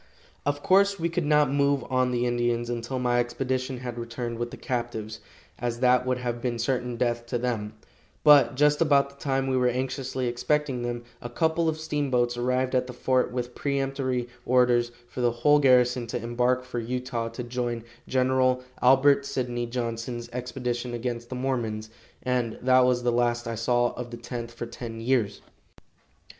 Of course, we could not move on the Indians until my expedition had returned with the captives, as that would have been certain death to them; but just about the time we were anxiously expecting them, a couple of steamboats arrived at the fort with peremptory orders for the whole garrison to embark for Utah to join Gen. Albert Sydney Johnson's expedition against the Mormons, and that was the last I saw of the Tenth for ten years.